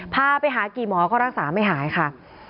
พาไปหากี่หมอก็รักษาไม่หายค่ะ